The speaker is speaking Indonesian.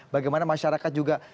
bagaimana masyarakat juga